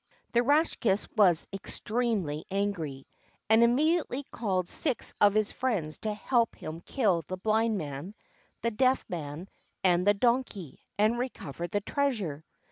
The Rakshas was extremely angry, and immediately called six of his friends to help him kill the Blind Man, the Deaf Man, and the Donkey, and recover the treasure.